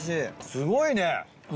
すごいね！